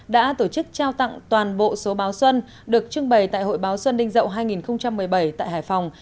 đã tổ chức trao tặng toàn bộ số báo xuân được trưng bày tại hội báo xuân ninh dậu hai nghìn một mươi bảy tại hải phòng